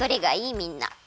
みんな。